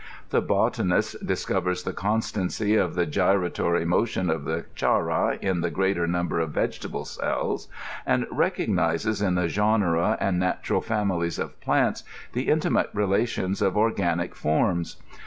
The botanist disco vdra the constancy of the gyratory motion of the chara in the greater number of vegetable cells, and recognizes in the genera and natural families of plants the intimate relations of organic forms.